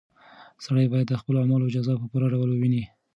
سړی باید د خپلو اعمالو جزا په پوره ډول وویني.